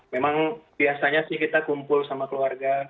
memang biasanya sih kita kumpul sama keluarga